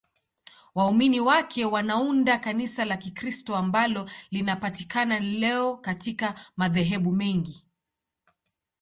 Waumini wake wanaunda Kanisa la Kikristo ambalo linapatikana leo katika madhehebu mengi.